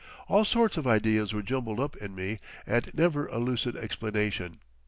All sorts of ideas were jumbled up in me and never a lucid explanation.